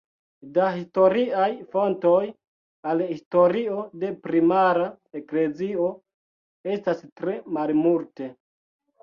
Da historiaj fontoj al historio de primara eklezio estas tre malmulte.